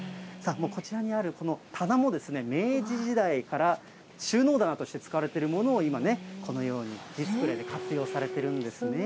こちらにある、この棚も明治時代から収納棚として使われているものを今ね、このようにディスプレーで活用されてるんですね。